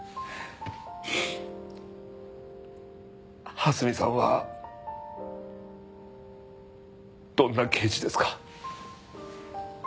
蓮見さんはどんな刑事ですか？